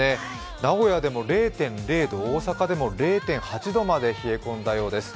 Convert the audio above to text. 名古屋でも０．０度、大阪でも０．８度まで冷え込んだようです。